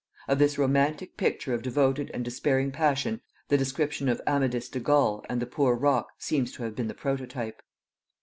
Of this romantic picture of devoted and despairing passion the description of Amadis de Gaul at the Poor Rock seems to have been the prototype.